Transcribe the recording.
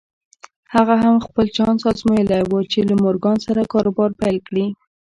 هغه هم خپل چانس ازمايلی و چې له مورګان سره کاروبار پيل کړي.